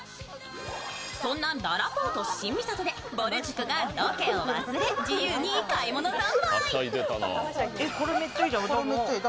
そんなららぽーと新三郷でぼる塾がロケを忘れ自由に買い物三昧。